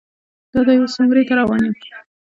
دادی اوس عمرې ته روان یم.